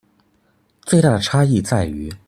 最大的差異在於